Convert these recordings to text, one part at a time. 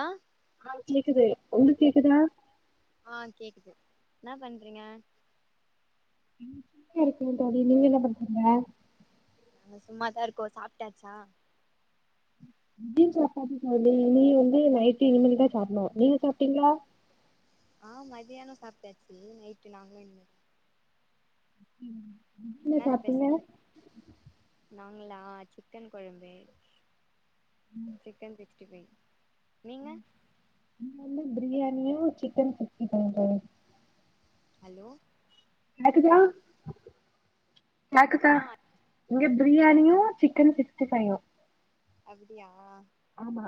ஆ ஆ கேக்குது உங்ளுக் கேக்குதா ஆ கேக்குது என்ன பண்றீங்க ம் வீட்ல இருக்கே தோழி நீங்க என்ன பண்றீங்க நாங்க சும்மாதா இருக்கோ சாப்ட்டாச்சா மதியோ சாப்ட்டாச்சு தோழி இனி வந்து நைட் இனிமேல் தா சாப்புட்னு நீங்க சாப்ட்டீங்களா ஆ மதியானோ சாப்டாச்சு நைட்டு நாங்களு இனிமே தா ம் ம் என்ன ஸ்பெஷல் நாங்களா சிக்கன் கொழம்பு சிக்கன் சிக்ஸ்டி ஃபை நீங்க இங்க வந்து பிரியாணியு சிக்கன் சிக்ஸ்டி ஃபையு தோழி ஹலோ கேக்குதா கேக்குதா ஆ இங்க பிரியாணியு சிக்கன் சிக்ஸ்டி ஃபையு அப்டியா ஆமா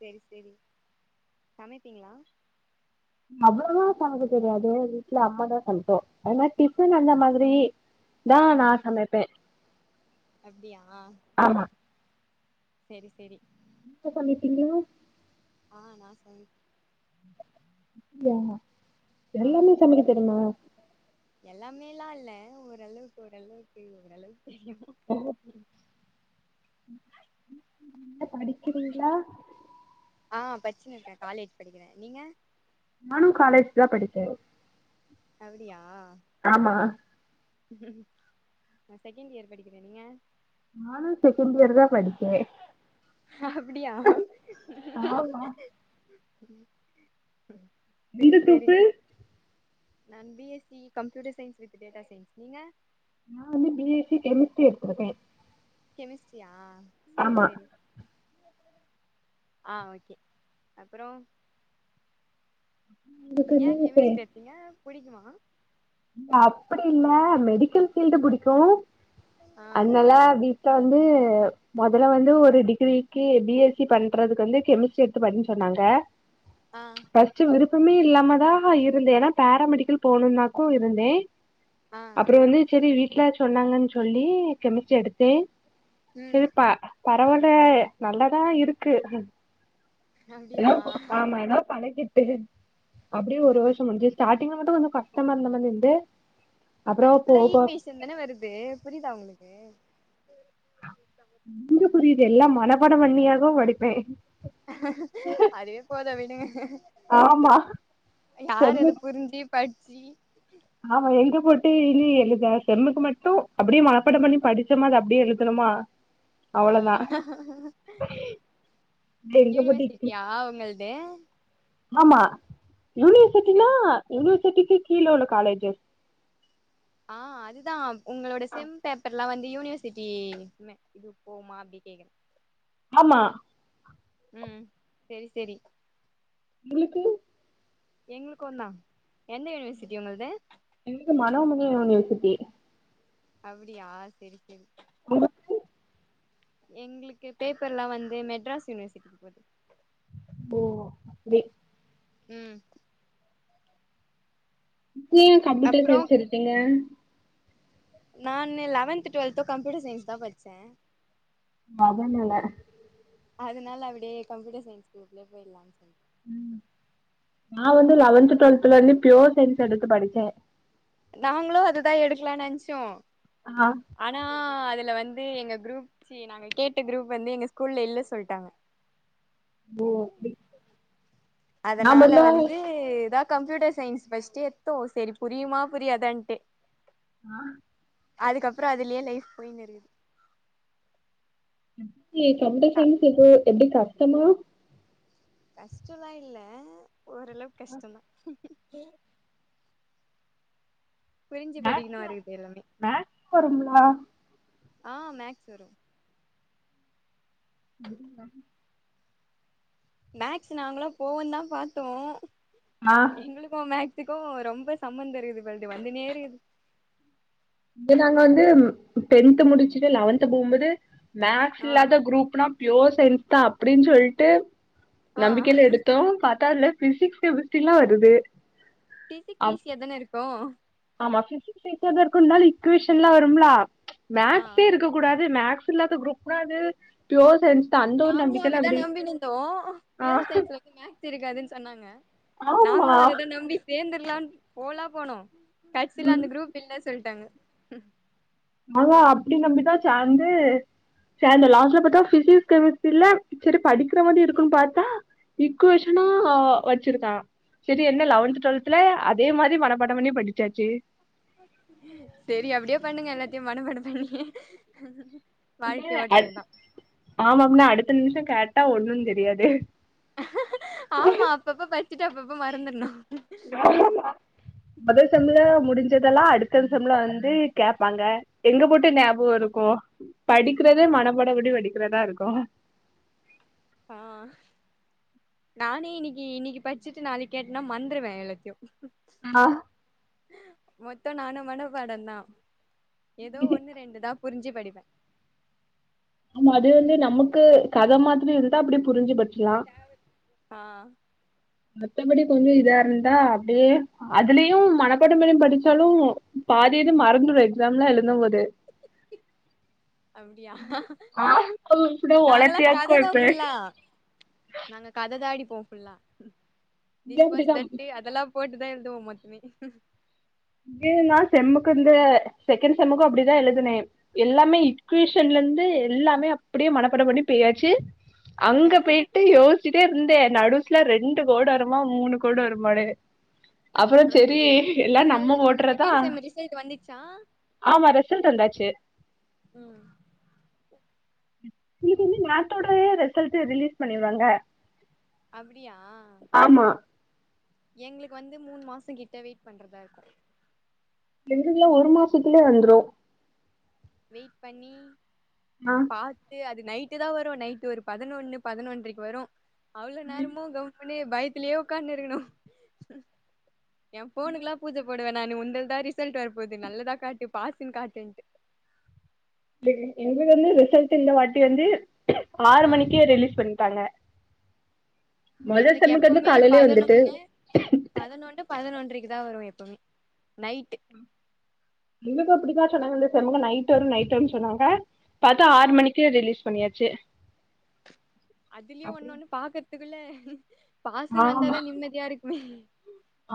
சேரி சேரி சமைப்பீங்ளா அவ்ளோவா சமைக்க தெரியாது வீட்ல அம்மா தா சமைக்கு ஆனா டிஃபன் அந்த மாதிரி தான் நா ம் சமைப்பேன் அப்டியா ஆமா செரி செரி பன்னிருக்கீங்க ஆ நா சமைப் எல்லாமே சமைக்க தெரியுமா எல்லாமேல்லாம் இல்ல ஓரளவுக்கு ஓரளவுக்கு ஓரளவுக்கு தெரியும் ஓ ம் என்ன படிக்கிறீங்ளா ஆ படிச்சினு இருக்கேன் காலேஜ் படிக்கிறேன் நீங்க நானும் காலேஜ் தா படிச்ச அப்டியா ஆமா நான் செகண்ட் இயர் படிக்கிறேன் நீங்க நானும் செகண்ட் இயர் தான் படிக்க அப்டியா ஆமா இந்த செரி செரி குரூப்பு நான் B S C computer science with data science நீங்க நா வந்து பி எஸ் சி கெமிஸ்ட்ரி எடுத்துருக்கேன் கெமிஸ்ட்ரியா செரி ஆமா செரி ஆ ஓகே அப்புறோ எனக்கு வந்து ஏன் சரி, கெமிஸ்ட்ரி எடுத்தீங்க புடிக்குமா அப்படி இல்ல மெடிக்கல் ஃபீல்டு புடிக்கும் ஆ அதனால வீ வீட்ல வந்து மொதல்ல வந்து ஒரு டிகிரி க்கு பி எஸ் சி பண்றதுக்கு வந்து கெமிஸ்ட்ரி எடுத்து பண்ணு சொன்னாங்க ஆ ஃபர்ஸ்ட் விருப்பமே இல்லாம தா இருந்தேன் ஏன்னா பராமெடிக்கல் போணும்னாக்கும் இருந்தேன் ஆ அப்புறோ வந்து செரி வீட்ல சொன்னாங்கன்னு சொல்லி கெமிஸ்ட்ரி எடுத்தேன் ம் செரி ப பரவாயில நல்லதா இருக்கு எல்லா அப்டியா ஆமா எல்லா பழக்கி ட்டு அப்படியே ஒரு வருஷம் முடிஞ்சு ஸ்டார்ட்டிங்ல மட்டும் கொஞ்சோ கஸ்டமா இருந்த மாரி இருந்து அப்றோ அது ஃபுல்லா போக போக ஈக்வேஷன் தான வருது புரியுதா உங்களுக்கு எங்க புரியுது எல்லாம் மனப்பாடம் பண்ணியாக்கு படிப்பேன் அதுவே போதும் விடுங்க ஆமா யார் செம்மு அத புரிஞ்சு படிச்சி ஆமா எங்க போட்டு இனி எழுத செம்முக்கு மட்டும் அப்படியே மனப்பாடம் பண்ணி படிச்சமா அத அப்படியே எழுதனமா ஆ எங்க போட்டு இக்கு- யூனிவர்சிட்டியா உங்கள் து ஆமா செரி யூனிவர்சிட்டினா யூனிவர்சிட்டிக்கு கீழ உள்ள காலேஜு ஆ அதுதான் உங்களோட செம் பேப்பர்ல்லாம் வந்து யூனிவர்சிட்டி மே இது போவுமா அப்டி கேக்குறேன் ஆமா உம் செரி செரி உங்களுக்கு எங்களுக்கு தா எந்த யூனிவர்சிட்டி உங்கள்து எங்கள்க்கு மணோமணி யூனிவர்சிட்டி அப்டியா செரி செரி உங்கள்க்கு எங்களுக்கு பேப்பர் லா வந்து மெட்ராஸ் யூனிவர்சிட்டிக்கு போது ஓ ம் இப்ப ஏ கம்ப்யூட்டர் அப்றோ சய்ன்ஸ் எடுத்தீங்க நான்னு லவன்த் ட்வெல்த்து கம்ப்யூட்டர் சய்ன்ஸ் தா பட்ச்சே அதனால அதுனால அப்டியே கம்ப்யூட்டர் சய்ன்ஸ் குரூப்லே போய்ட்லானு சொல்ட் ம் நா வந்து லவன்த் ட்வெல்த்ல இர்ந்தே பியோர் சய்ன்ஸ் எடுத்து படுச்சே நாங்களு அதுதா எடுக்கலான் நென்ச்சோ ஆ ஆனா அதுல வந்து எங்க குரூப் சி நாங்க கேட்ட குரூப் வந்து எங்க ஸ்கூல்ல இல்ல சொல்ட்டாங்க ஓ அப்டி நா அதனால மொதல்ல வந்து து தா கம்ப்யூட்டர் சய்ன்ஸ் ஃபஸ்ட்டு எட்த்தோ செரி புரியுமா புரியாதான்ட்டு ஆ அதுக்கப்றோ அதுலயே லைஃப் போய்னு இர்க்குது ஃபஸ்ட்டு கம்புட்டர் க சய்ன்ஸ் இப்போ எப்டி கஷ்டமா கஷ்டோலா இல்ல ஓரளவுக் கஷ்டோ தா புரிஞ்சு படிக்கணு மேக்ஸ் அதுல் இர்க்க எல்லாமே மேக்ஸ் வரும்லா ஆ மேக்ஸ் வரு [inaudible] மேக்ஸ் நாங்களு போவோ தா பாத்தோ ஆ எங்ளுக்கு மேக்ஸ் ஸுக்கு ரொம்ப சம்மந்தொ இர்க்குது பல்து வந்துனேர்க்குத் இது நாங்க வந்து டென்த்து முடுச்சுட்டு லவன்த் போகும்போது மேக்ஸ் ஆ இல்லாத குரூப்னா ப்யோர் சயின்ஸ் தா அப்டின்னு சொல்ட்டு ஆ நம்பிக்கைல எடுத்தோ பாத்தா அதுல பிசிக்ஸ் கெமிஸ்ட்ரி ல்லா வருது பிசிக்ஸ் அப்- ஈசியாதான இருக்கு ஆமா பிசிக்ஸ் ஈசியாதா இருக்கு இருந்தாலு இக்வேஷன்லா வரும்லா ஆ மேக்ஸே இருக்க கூடாது மேக்ஸ் இல்லாத குரூப்னா அது ப்யோர் சய்ன்ஸ் நாங்ளு அபிதா நம்பினுர்ந்தோ ஆ ப்யொர் சயின்ஸ்ல மேக்ஸ் இருக்காதுன் சொன்னாங்க ஆமா நாங்களு அத நம்பி சேர்ந்துர்லான் போலா போனோ கட்சில அந்த குரூப் இல்ல சொல்ட்டாங்க ஆ அப்டி நம்பிதா சேந்து சேந்த லாஸ்ட்ல பாத்தா பிசிக்ஸ் கெமிஸ்ட்ரில செரி படிக்குற மாரி இருக்குன் பாத்தா இக்குவேஷன் ஆ வச்சுருக்கா செரி என்ன லவன்த் ட்வெல்த்ல அதே மாரி மனப்பாடொ பண்ணி படுச்சாச்சு செரி அப்டியே பண்ணுங்க எல்லாத்தையு மனபாடம் பண்ணி வாழ்க்கைய ஓட்ட வேண்டிதா ஆமா ப்னா அடுத்த நிமிஷொ கேட்டா ஒண்ணுன்னு தெரியாது ஆமா அப்பப்ப பட்ச்சிட்டு அப்பப்ப மறந்துட்னு மொதல் செம்ல முடிஞ்சதெல்லா அடுத்த செம்ல வந்து கேப்பாங்க எங்க போட்டு ஞாபகொ இருக்கு படிக்றதே மனப்பாட படி படிக்றதா இருக்கு ஆ நானே இன்னைக்கி இன்னைக்கி பட்சிட்டு நாளைக் கேட்னா மந்திர்வே எல்லாத்யு ஆ மொத்தம் நானும் மனபாடம்தான் ஏதோ ஒண்ணு ரெண்டு தான் புரிஞ்சு படிப்பேன் ஆமா அது வந்து நமக்கு கத மாதிரி இருந்தா அப்படி புரிஞ்சு படிச்சுலாம் ஆ மத்தபடி கொஞ்ச இதா இருந்தா அப்படியே அதுலயும் மனப்பாடம் பண்ணி படிச்சாலும் பாதி இது மறந்துரும் எக்ஸாம்லாம் எழுந்தும் போது அப்படியா நாங்கல்லாம் ஒளத்தியாக்கு கத தான் இருப்பே ஃபுல்லா நாங்க கத தான் அடிப்போம் ஃபுல்லா இதே திஸ் வாஸ் அப்டிதா தட் அதெல்லாம் போட்டு தான் எழுதுவோம் மொத்தமே எழுதலாம் செம்முக்கு இந்த செகண்ட் செம்முக்கும் அப்படிதான் எழுதுனேன் எல்லாமே இக்யஷன்ல இருந்து எல்லாமே அப்படியே மனப்பாடம் பண்ணி போயாச்சு அங்க போய் யோசிச்சிட்டே இருந்தேன் நடுசல ரெண்டு கோடு வருமா மூணு கோடு வருமானு அப்புறம் செரி எல்லாம் நம் உங்களது ம்ம போட்டுறதா செகண்ட் செம் ரிசல்ட் வந்துச்சா ஆமா ரிசல்ட் வந்தாச்சு ம் இதுக்கு வந்து நேத்தோடய ரிசல்ட் ரிலீஸ் பண்ணிடுவாங்க அப்டியா ஆமா எங்களுக்கு வந்து மூணு மாசம் கிட்ட வெயிட் பண்றதா இருக்கும் எங்கல்லாம் ஒரு மாசத்துலயே வந்துரும் வெயிட் பண்ணி ஆ பாத்து அது நைட்டு தான் வரும் நைட்டு ஒரு பதினொன்னு பதினொன்ரைக்கு வரும் அவ்வளோ நேரமு கவ உனே பயத்தலயே உக்காந்து இருக்கணும் என் ஃபோனுக்குல்லாம் பூஜ போடுவேன் நானு உந்தல தான் ரிசல்ட் வர போது நல்லதா காட்டு பாசுன்னு காட்டுன்ட்டு எங்களுக்கு வந்து ரிசல்ட் இந்த வாட்டி வந்து ஆறு ஆ மணிக்கே ரிலீஸ் பண்ண டாங்க மொத எங்களுக்கு செம்க்கு வந்து எப்பவுமே காலேலயே வந்துட்டு பதினொன்னு பதினொன்னு பதினொன்றைக்கு தான் வரும் எப்பவுமே நைட்டு எங்களுக்கு இப்படித்தான் சொன்னாங்க இந்த செம்க்கு நைட் ஓட நைட் வரும்னு சொன்னாங்க பாத்தா ஆ ஆறு மணிக்கு ரிலீஸ் பண்ணியாச்சு அதுல்யு ஒன்னு ஒண்ணு பாக்கறதுக்குள்ள பாசல் வந்தாதான் நிம்மதியா இருக்குமே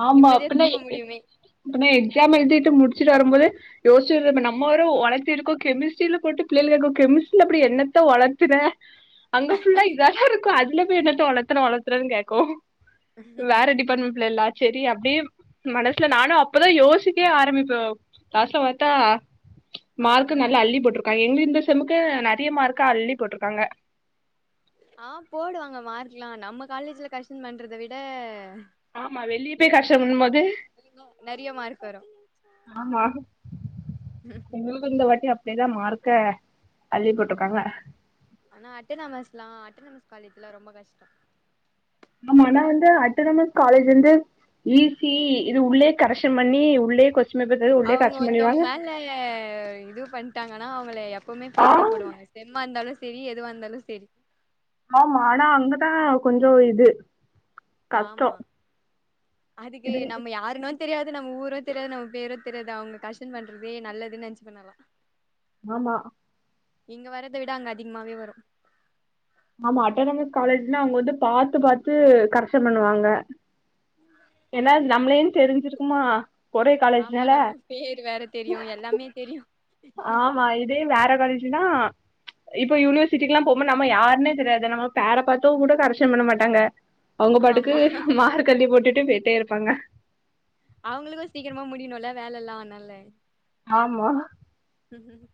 ஆமான நிம்மதியா பின்ன தூங்க முடியுமே பின்ன எக்ஸாம் எழுதிட்டு முடிச்சிட்டு வரும்போது யோசிச்ச நம்மரும் ஒலப்பிருக்கோ கெமிஸ்ட்ரில போட்டு பள்ளைகளுக்கு கெமிஸ்ட்ரியில அப்படி என்னத்த ஓலப்புற அங்க ஃபுல்லா இததா இருக்கும் அதுல போய் என்னத்த ஒளத்னா ஒளத்னான்னு கேக்கும் வேற டிபார்ட்மெண்ட் ப்ள்ள இல்ல சரி அப்படியே மனசுல நானும் அப்பதான் யோசிக்கவே ஆரம்பிப்பேன் லாஸ்ட்ல பாத்தா ஆ மார்க்க நல்ல அள்ளி போட்டிருக்கா எங்க இந்த செம்முக்கு நிறைய மார்க்கா அள்ளி போட்டிருக்காங்க ஆ போடுவாங்க மார்க்லாம் நம்ம காலேஜ்ல கர்ஷன் பண்றத விட ஆமா வெளிய போய் யூனிவர் கஷ்டப்படும் போது நிறைய மார்க் வரும் ஆமா ம் எங்களுக்கு இந்த வாட்டி அப்படிதான் மார்க்க அள்ளி போட்ருக்காங்க ஆனா அட்டநமஸ்லா அட்டநமஸ் காலேஜ்ல ரொம்ப கஷ்டம் ஆமா ஆனா வந்து அட்டனமஸ் காலேஜ் வந்து இ சி இது உள்ளே கரெக்க்ஷன் பண்ணி உள்ளே கொ அவங்க ஒருத்தவங்க மேல இது பண்ணிட்டாங்கன்னா அவங்கள எப்பவுமே ஆ பெய்ல் தா போடுவாங்க செம்மாருந்தாலு செரி எதுவாருந்தாலும் செரி மேம் ஆனா அங்கதா கொஞ்சோ இது கஷ்டோ ஆமா அதுக்கு இது நம்ம யாருன்னு தெரியாது நம்ம ஊரு தெரியாது நம்ம பேரோ தெரியாது அவங்க கர்ஷன் பண்றதே நல்லதுன்னு நெனச்சுப் நா எல்லா ஆமா இங்க வர்றத விட அங்க அதிகமாவே வரு ஆமா அட்டானமஸ் காலேஜ்ன்னா அவங்க வந்து பாத்து பாத்து கர்ஷன் பண்ணுவாங்க ஏன்னா ம் ம் நம்மளேனு தெரிஞ்சிருக்குமா ஒரே ஆமா காலேஜ்னால நம்ம பேர் வேற தெரியு எல்லாமே தெரியு ஆமா இ இதே வேற காலேஜ்ன்னா இப்போ யூனிவர்சிட்டிக்லா போம்போது நம்ம யார் ணே தெரியாது நம்ம பேர பாத்து கூட கரெக்ஷன் பண்ண மாட்டாங்க அவங்க பாட்டுக்கு ஆமா மார்க் அல்லி போட்டுட்டு போய்ட்டே இருப்பாங்க அவங்களுக்கு சீக்கிரமா முடியணுல்ல வேலெல்லா அதுனால ஆமா ம் ஹும்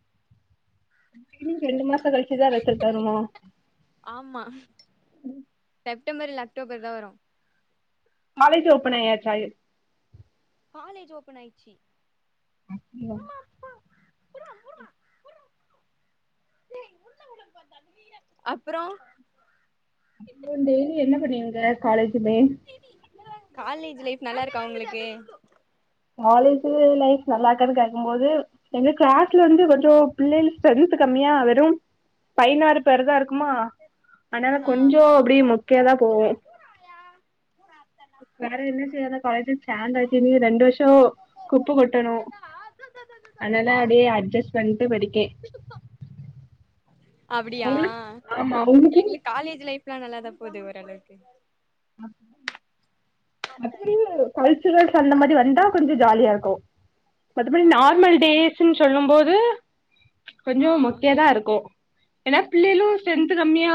ங்க ரெண்டு மாச கழிச்சுதா ரிசல்ட் வருமா ஆமா செப்டம்பர் இல்ல அக்டோபர் தா வரு காலேஜ் ஓபன் ஆயச்சா காலேஜ் ஓப்பன் ஆய்ச்சி [unintelligible] அப்புறோ அ டெய்லி என்ன பண்ணுவீங்க காலேஜுமே காலேஜ் லைப் நல்லா இருக்கா உங்களுக்கு காலேஜு லைப் நல்லா இருக்கான்னு கேட்கும்போது எங்க கிளாஸ்ல இருந்து வந்து கொஞ்சு பிள்ளைங்கு கொஞ்சு சர்வீசு கம்மியா வெரும் பையனாறு பேரு தா இருக்குமா ஆனால ஆ கொஞ்சு அப்படி மொக்கையாதா போவு வேற என்ன செய்த காலேஜ் சேந்தாச்சு இனி ரெண்டு வருஷோ டோ குப்ப கொட்டணு அதனால அப்படியே அட்ஜஸ் பண்ட்டு படிக்கே அப்டியா உங்களுக்கு ஆமா உங்களுக்கு எங்களுக்கு காலேஜ் லைப்லா நல்லாதா போது ஓரளவுக்கு மத்த படில்லா கல்சுரல்ஸ் அந்த மாரி வந்தா கொஞ்சு ஜாலியா இருக்கு மத்தப்பிடி அப்டியா நார்மல் டேஸ் சுனு சொல்லு போது ஆ கொஞ்சோ மொக்கயதா இருக்கு ஏன்னா பிள்ளைளு ஸ்ரேன்த் கம்மியா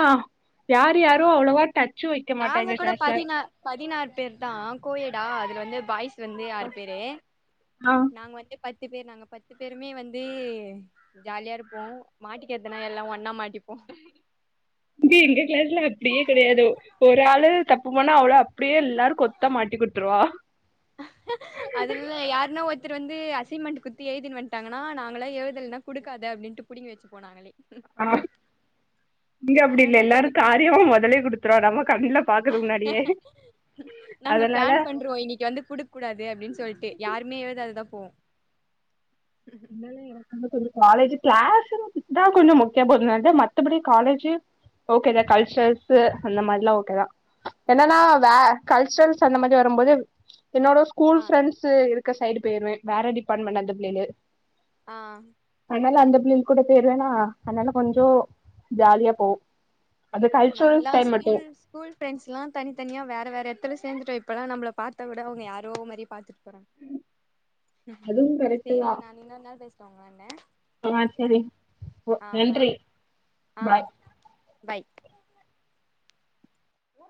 யாரு ஆ, யாரூ அவ்ளோவா டச்சு வைக்க நாங்க மாட்டாங்க கூட கிளாஸ்ல பதினா பதினார் பேர் தா கோயேடா அதல வந்து பாய்ஸ் வந்து ஆறு பேர்ரு ஆ நாங்க வந்து பத்து பேர் நாங்க பத்து பேருமே வந்து ஜாலியா இருப்போ மாட்டிகிறத்துனா எல்லா ஒன்னா மாட்டிப் ங்கே எங்க கிளாஸ்ல அப்டியே கெடையாது ஒரு ஆள் தப்பு பண்ணா அவ்ளோ அப் அப்டியே எல்லாரு கொத்தா மாட்டி குடுத்துருவா அதுல்ல யார்னா ஒர் தரு வந்து அசெமெண்டு குத்து எய்தினு வண்ட்டாங்கனா நாங்கள எழுதல்ன்னா குடுக்காத அப்டின்ட்டு புடுங்கி வச்ச போ நாங்களே ஆ இங்க அப்டி இல்ல நல்லாதா எல்லாரு போது காரியமா மொதலயே குடுத்துருவா நம்ம கண்ணுல பாக்குறது முன்னாடியே நாங்க அதனால பிளான் பண்றோ இன்னைக்கு வந்து குடுக்க கூடாது அப்டின்னு சொல்ட்டு யாருமே எழுதாது தா போவோம் ன்னால எனக்கு கொஞ்ச காலேஜ் கிளாஸ்ரூம் தா கொஞ்ச மொக்கயா போது நெனச்ச மத்தபடி காலேஜி ஓகேதா கல்ச்சரல்ஸு அந்த மாரிலா ஓகேதா என்னன்னா வ கல்ச்சரல்ஸ் அந்த மாரி வரும்போது என்னோட ஸ் ஸ்கூல் ஆ ஃரெண்ட்ஸ்ஸு இருக்க சைடு போய்ருவ வேற டிபார்ட்மெண்ட் அந்த பிள்ளையிலு ஆ அதனால அந்த பிள்ளைல் கூட பேருவணா அதனால கொஞ்சோ ஜாலியா போ அது கல்ச்சுரல்ஸ் டைம் மட்டும் ஃஸ்கூல் ஃப்ரெண்ட்ஸ்ல்லா தனி தனியா வேற வேற எடத்துல சேந்துட்டோ இப்பல்லா நம்மள பாத்தா கூட அவுங்க யாரோ மாரி பாத்துட்டு போறாங்க ம் அதுவும் கரெக்ட் சேரி தான் நானு இன்னொரு நாள் பேசுற உங்கலான்ட ஆ சேரி ஓ நன்றி ஆ பாய் பாய்